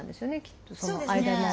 きっとその間も。